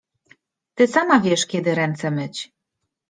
Ty sama wiesz, kiedy ręce myć!